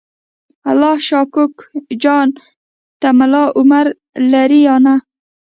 الله شا کوکو جان ته ملا عمر لرې یا نه؟